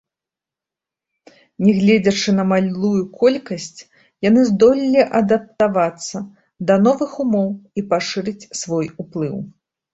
Нягледзячы на малую колькасць, яны здолелі адаптавацца да новых умоў і пашырыць свой уплыў.